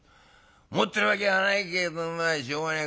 持ってるわけはないけれどお前しょうがねえ